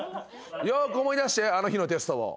よく思い出してあの日のテストを。